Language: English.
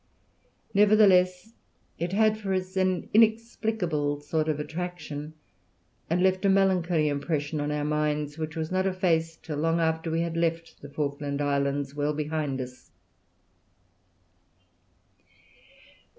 Nevertheless, it had for us an inexplicable sort of attraction and left a melancholy impression on our minds, which was not effaced till long after we had left the Falkland Islands well behind us."